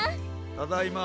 ただいま。